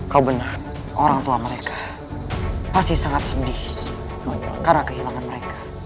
kau benar orang tua mereka pasti sangat sedih karena kehilangan mereka